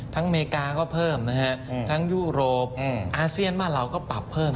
อเมริกาก็เพิ่มนะฮะทั้งยุโรปอาเซียนบ้านเราก็ปรับเพิ่ม